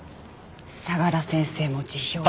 相良先生も辞表を。